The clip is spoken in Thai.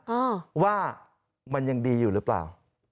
อ่าว่ามันยังดีอยู่หรือเปล่า